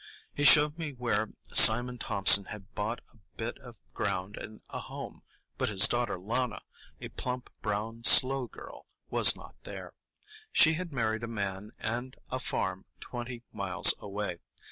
He showed me where Simon Thompson had bought a bit of ground and a home; but his daughter Lana, a plump, brown, slow girl, was not there. She had married a man and a farm twenty miles away.